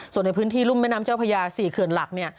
ส่วนในพื้นที่รุ่มแม่น้ำเจ้าพญา๔เขื่อนหลักเนี่ย